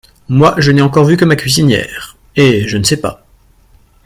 Moi, je n’ai encore vu que ma cuisinière, … et je ne sais pas…